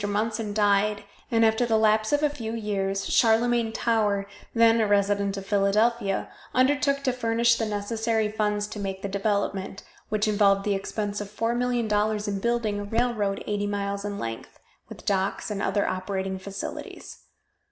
Munson died, and after the lapse of a few years Charlemagne Tower, then a resident of Philadelphia, undertook to furnish the necessary funds to make the development, which involved the expense of $4,000,000 in building a railroad eighty miles in length, with docks and other operating facilities.